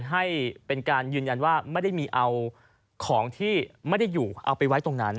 ให้เป็นการยืนยันว่าไม่ได้มีเอาของที่ไม่ได้อยู่เอาไปไว้ตรงนั้น